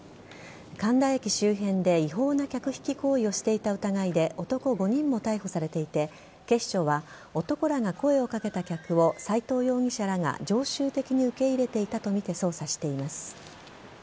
神田駅周辺で違法な客引き行為をしていた疑いで男５人も逮捕されていて警視庁は、男らが声をかけた客を斎藤容疑者らが常習的に受け入れていたとみて捜査しています。